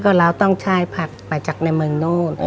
ก็เราต้องช่ายผักไปจากในเมืองนู้น